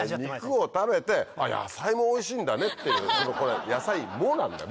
肉を食べてあっ野菜もおいしいんだねっていう野菜「も」なんだよ